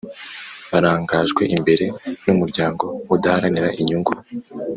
Barangajwe imbere n umuryango udaharanira inyungu